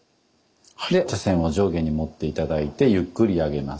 で茶筅を上下に持って頂いてゆっくり上げます。